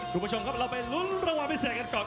คุณผู้ชมครับเราไปลุ้นรางวัลพิเศษกันก่อน